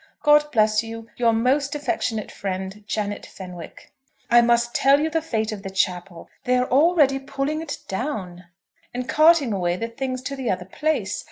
God bless you, Your most affectionate friend, JANET FENWICK. I must tell you the fate of the chapel. They are already pulling it down, and carting away the things to the other place.